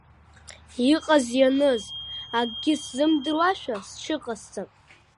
Иҟаз-ианыз акгьы сзымдыруашәа сҽыҟасҵап.